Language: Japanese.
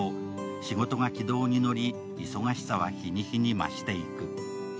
仕事が軌道に乗り、忙しさは日に日に増していく。